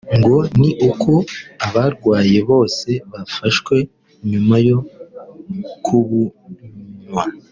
ngo ni uko abarwaye bose bafashwe nyuma yo kubunywa